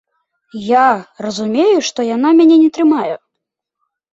Я разумею, што яна мяне не трымае.